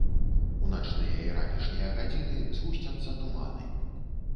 У начныя і ранішнія гадзіны згусцяцца туманы.